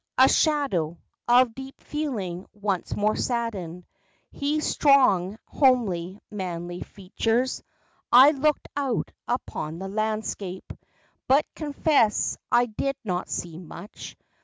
A shadow Of deep feeling once more saddened His strong, homely, manly, features. I looked out upon the landscape, But confess I did not see much.